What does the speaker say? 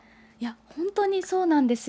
本当にそうなんです。